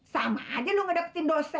sama aja lu ngedeketin dose